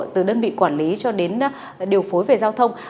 từ đơn vị quản lý cho đến điều phối về giao thông